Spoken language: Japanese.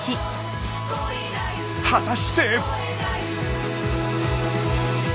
果たして！